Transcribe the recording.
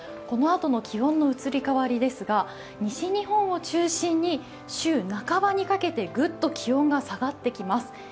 このあとの気温の移り変わりですが、西日本を中心に週半ばにかけてぐっと気温が下がってきます。